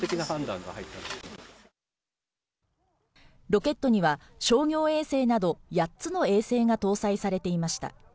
ロケットには商業衛星など８つの衛星が搭載されていました。